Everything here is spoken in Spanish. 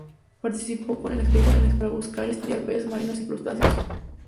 Participó en expediciones para buscar y estudiar peces marinos y crustáceos.